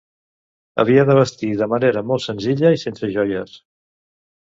Havia de vestir de manera molt senzilla i sense joies.